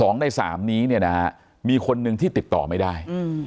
๒ใน๓นี้มีคนหนึ่งที่ติดต่อไม่ได้